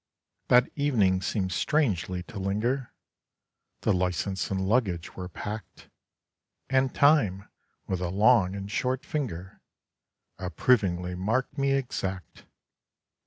That evening seem'd strangely to linger, The licence and luggage were packt, And Time, with a long and short finger, Approvingly mark'd me exact.